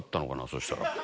そしたら。